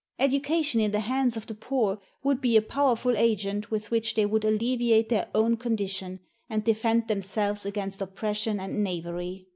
Education in the hands of the poor would be a powerful agent with which they would alleviate their own condition, and defend themselves against oppression and knavery.